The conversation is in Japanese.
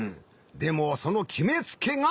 でもそのきめつけが。